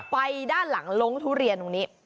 ไปด้านหลังลงทุเรียนตรงนี้